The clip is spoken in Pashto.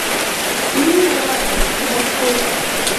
دوی ولاړل مخ پورته.